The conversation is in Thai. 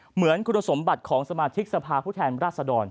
เหมือนคุณสมบัติของสมาชิกสภาพผู้แทนราชดร